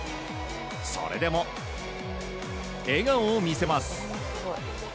それでも笑顔を見せます。